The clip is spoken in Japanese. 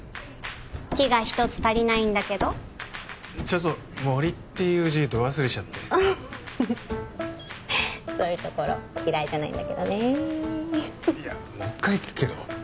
「木」が一つ足りないんだけどちょっと「森」っていう字ど忘れしちゃってそういうところ嫌いじゃないんだけどねいやもう一回聞くけど